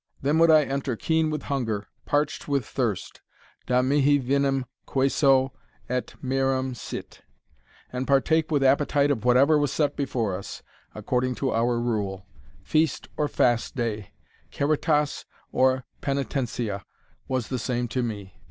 Then would I enter keen with hunger, parched with thirst, (da mihi vinum quaeso, et merum sit,) and partake with appetite of whatever was set before us, according to our rule; feast or fast day, caritas or penitentia, was the same to me.